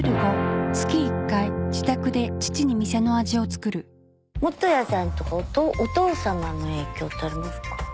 ねっやっぱ本谷さんとかお父様の影響ってありますか？